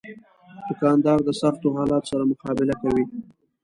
دوکاندار د سختو حالاتو سره مقابله کوي.